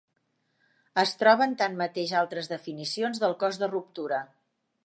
Es troben tanmateix altres definicions del cos de ruptura.